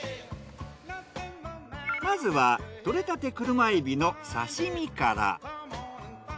まずは獲れたてクルマエビの刺身から。